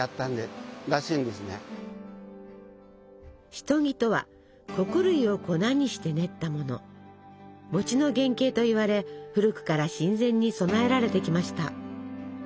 シトギとは穀類を粉にして練ったもの。の原型といわれ古くから神前に供えられてきました。